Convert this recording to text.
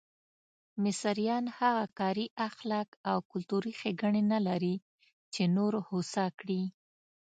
مصریان هغه کاري اخلاق او کلتوري ښېګڼې نه لري چې نور هوسا کړي.